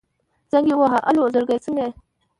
زنګ يې ووهه الو زړګيه څنګه يې.